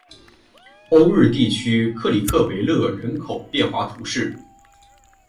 欧日地区克里克维勒人口变化图示